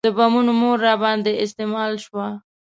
د بمونو مور راباندې استعمال شوه.